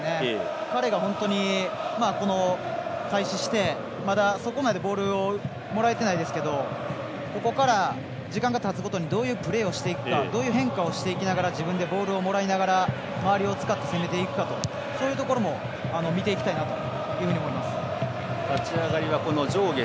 彼が本当に開始してそこまでボールをもらえていませんがここから、時間がたつごとにどういうプレーをしていくかどういう変化をしていきながら自分でボールをもらいながら周りを使って攻めていくかというそういうところも見ていきたいと思います。